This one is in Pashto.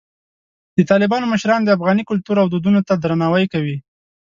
د طالبانو مشران د افغاني کلتور او دودونو ته درناوی کوي.